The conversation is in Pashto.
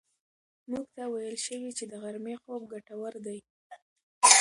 موږ ته ویل شوي چې د غرمې خوب ګټور دی.